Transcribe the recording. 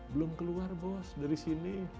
belum keluar bos dari sini